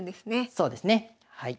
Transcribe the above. そうですねはい。